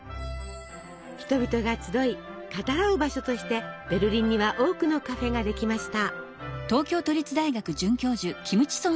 人々が集い語らう場所としてベルリンには多くのカフェができました。